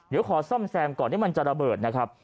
เดี๋ยวขอซ่อมแซมก่อนที่มันจะระเบิดนะครับ